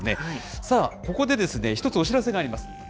さあ、ここで一つ、お知らせがあります。